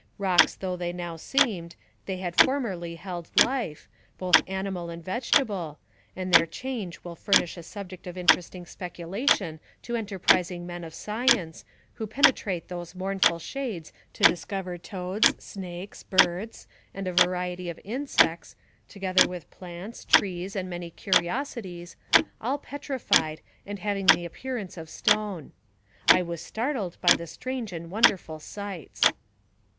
Rocks though they now seemed, they had formerly held life, both animal and vegetable, and their change will AMONG THE SIOUX INDIANS. 103 furnish a subject of interesting speculation to enter prising men of science, who penetrate those mournful shades to discover toads, snakes, birds, and a variety of insects, together with plants, trees, and many curiosi ties, all petrified and having the appearance of stone. I was startled by the strange and wonderful sights.